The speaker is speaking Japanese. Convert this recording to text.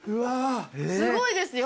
すごいですよ。